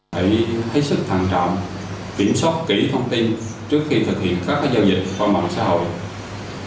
phải hết sức thận trọng kiểm soát kỹ thông tin trước khi thực hiện các giao dịch qua mạng xã hội